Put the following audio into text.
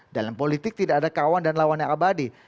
dalam politik tidak ada kawan dan lawannya abadi